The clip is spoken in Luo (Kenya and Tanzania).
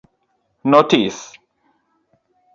Notis;